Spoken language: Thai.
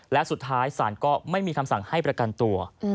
และสุดท้ายศาลก็ไม่มีคำสั่งให้ประกันตัว